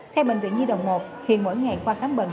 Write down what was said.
theo bệnh viện di đồng một thì mỗi ngày khoa khám bệnh